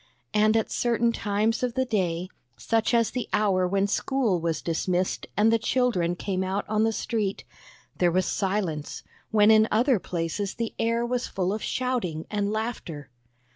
And at certain times of the day, such as the hour when school was dismissed and the children came out on the street, there was silence, when in other places the air was full of shouting and laughter.